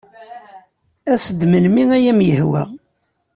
As-d melmi ay am-yehwa.